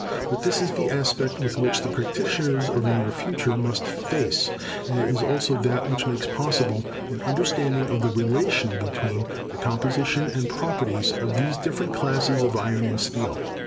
But this is the aspect which the practitioners of the near future must face, and it is also that which makes possible an understanding of the relation between the composition and properties of these different classes of iron and steel.